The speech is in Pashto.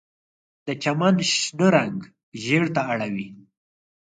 د چمن شنه رنګ ژیړ ته اړوي